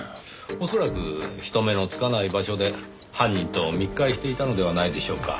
恐らく人目のつかない場所で犯人と密会していたのではないでしょうか。